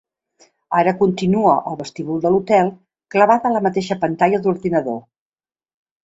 Ara continua al vestíbul de l'hotel, clavada a la mateixa pantalla d'ordinador.